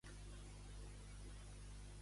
Què opinen des de les autoritats espanyoles?